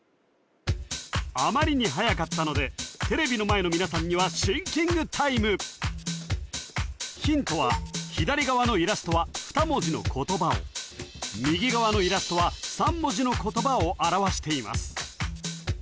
あまりにはやかったのでテレビの前の皆さんにはシンキングタイムヒントは左側のイラストは２文字の言葉を右側のイラストは３文字の言葉を表しています